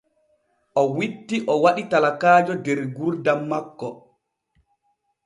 O witti o waɗi talakaajo der gurdam makko.